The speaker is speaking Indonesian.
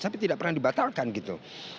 tapi tidak pernah dibatalkan gitu